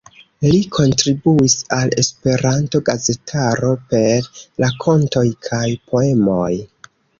Li kontribuis al Esperanto-gazetaro per rakontoj kaj poemoj.